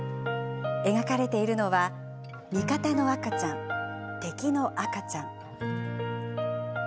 描かれているのは味方の赤ちゃん敵の赤ちゃん。